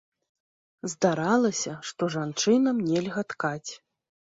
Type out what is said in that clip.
Здаралася, што жанчынам нельга ткаць.